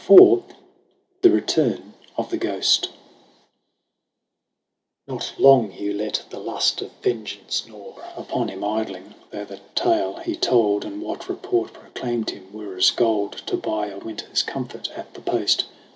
IV THE RETURN OF THE GHOST NOT long Hugh let the lust of vengeance gnaw Upon him idling ; though the tale he told And what report proclaimed him, were as gold To buy a winter's comfort at the Post.